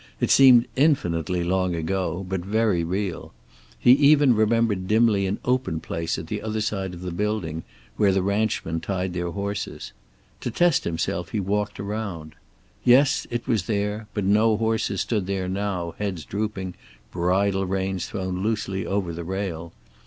It seemed infinitely long ago, but very real. He even remembered dimly an open place at the other side of the building where the ranchmen tied their horses. To test himself he walked around. Yes, it was there, but no horses stood there now, heads drooping, bridle reins thrown loosely over the rail.